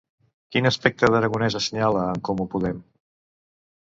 Quin aspecte d'Aragonès assenyala En Comú Podem?